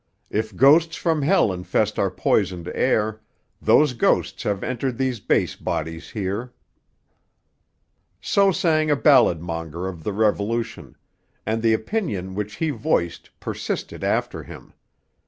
If ghosts from hell infest our poisoned air, Those ghosts have entered these base bodies here. So sang a ballad monger of the Revolution; and the opinion which he voiced persisted after him.